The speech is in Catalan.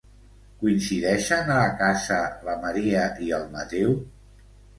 Coincideixen a casa la Maria i el Mateu?